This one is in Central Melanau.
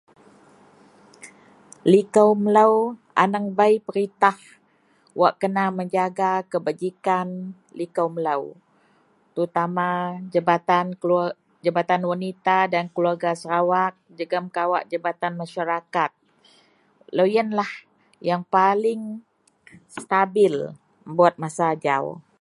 Liko melo aneng bei peritah wak kena menjaga kebajikan liko melo terutama Jabatan (keluwer) wanita dan keluarga Sarawak jegem jabatan masarakat loyen lah paling stabil buwat masa ajau.